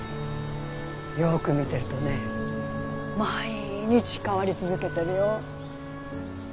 よく見てるとね毎日変わり続けてるよ。